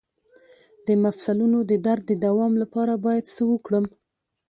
د مفصلونو د درد د دوام لپاره باید څه وکړم؟